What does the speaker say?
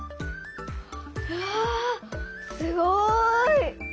うわすごい！